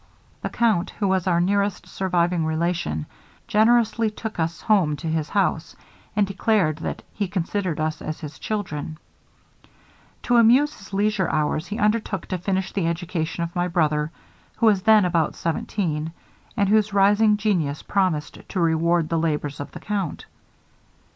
The count, who was our nearest surviving relation, generously took us home to his house, and declared that he considered us as his children. To amuse his leisure hours, he undertook to finish the education of my brother, who was then about seventeen, and whose rising genius promised to reward the labours of the count.